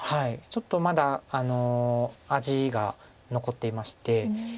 ちょっとまだ味が残っていまして。